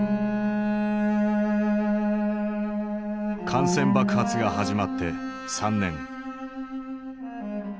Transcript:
感染爆発が始まって３年。